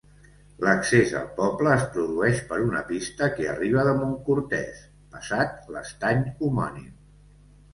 L’accés al poble es produeix per una pista que arriba de Montcortès passat l’estany homònim.